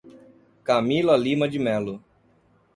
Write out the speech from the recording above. Camila Lima de Melo